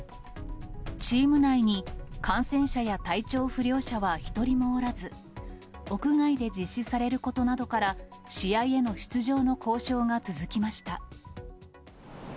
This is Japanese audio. チーム内に、感染者や体調不良者は一人もおらず、屋外で実施されることなどから、試合への出場の交渉が続きました。